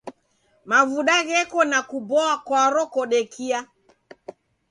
Mavuda gheko nakuboa kwaro kodekia.